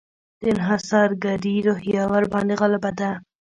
د انحصارګري روحیه ورباندې غالبه ده.